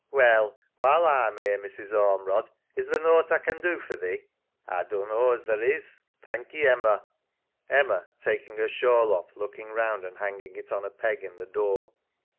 EMMA. Well, while A'm 'ere, Mrs. Ormerod, is theer nought as A can do for thee? SARAH. A dunno as theer is, thankee, Emma. EMMA (faking her shawl off, looking round and hanging it on a peg in the door).